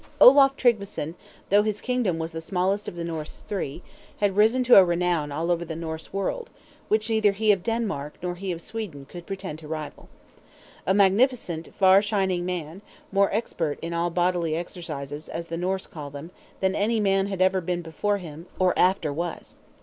Olaf Tryggveson, though his kingdom was the smallest of the Norse Three, had risen to a renown over all the Norse world, which neither he of Denmark nor he of Sweden could pretend to rival. A magnificent, far shining man; more expert in all "bodily exercises" as the Norse call them, than any man had ever been before him, or after was.